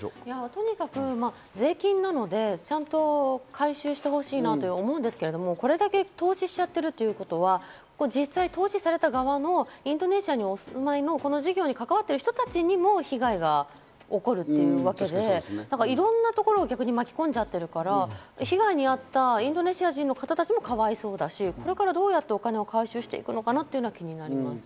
とにかく税金なので、ちゃんと回収してほしいなと思うんですけど、これだけ投資しちゃってるってことは、実際、投資された側もインドネシアにお住まいのこの事業に関わっている人たちにも被害が起こるというわけで、いろんなところを逆に巻き込んじゃってるから、被害に遭ったインドネシア人の方たちもかわいそうだし、これからどうやってお金を回収していくのかなというのが気になります。